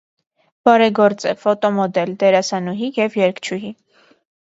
Բարեգործ է, ֆոտոմոդել, դերասանուհի և երգչուհի։